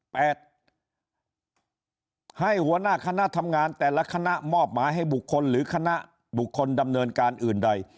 ให้หัวหน้าคณะทำงานแต่ละคณะมอบหมายให้บุคคลหรือคณะบุคคลดำเนินการอื่นใด